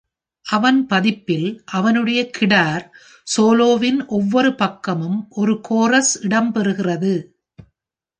அவன் பதிப்பில் அவனுடைய கிடார் சோலோவின் ஒவ்வொரு பக்கமும் ஒரு கோரஸ் இடம்பெறுகிறது.